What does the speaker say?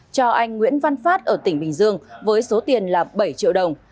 cho anh nguyễn văn phát ở tỉnh bình dương với số tiền là bảy triệu đồng